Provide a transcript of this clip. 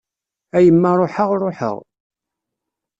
A yemma ruḥeɣ ruḥeɣ.